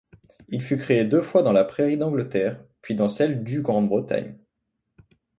Il fut créé deux fois dans la pairie d'Angleterre, puis dans celle du Grande-Bretagne.